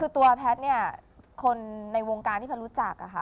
คือตัวแพทย์เนี่ยคนในวงการที่ผมรู้จัก